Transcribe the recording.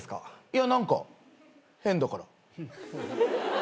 いや何か変だから。